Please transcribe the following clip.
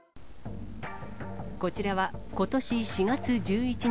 こちらはことし４月１１日